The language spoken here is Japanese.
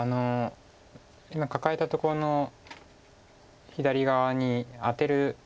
今カカえたところの左側にアテる。